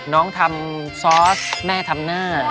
น้องทำซอสแม่ทำหน้า